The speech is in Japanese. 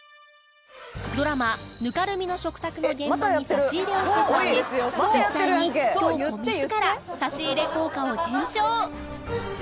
ドラマ『泥濘の食卓』の現場に差し入れを設置し実際に京子自ら差し入れ効果を検証！